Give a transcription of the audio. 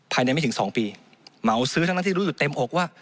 ภายในไม่ถึง๒ปีเมาซื้อทั้งที่รู้อยู่เต็มอกว่า